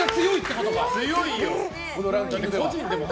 このランキングでは。